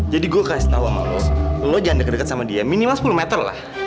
jadi gue kasih tahu sama lo lo jangan deket deket sama dia minimal sepuluh meter lah